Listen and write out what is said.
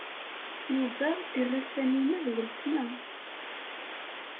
Yuba iɣil Tanina d weltma.